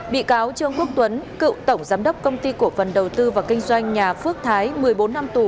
bị cáo trương quốc tuấn cựu tổng giám đốc công ty cổ phần đầu tư và kinh doanh nhà phước thái một mươi bốn năm tù